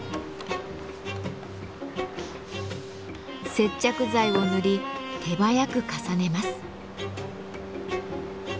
接着剤を塗り手早く重ねます。